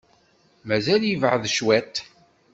Mazal yebɛed cwiṭ.